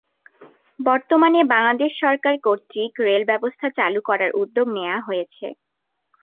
বর্তমানে বাংলাদেশ সরকার কর্তৃক রেল ব্যবস্থা চালু করার উদ্যোগ নেয়া হয়েছে।